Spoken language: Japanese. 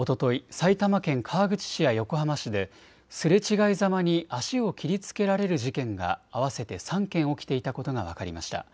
埼玉県川口市や横浜市ですれ違いざまに足を切りつけられる事件が合わせて３件起きていたことが分かりました。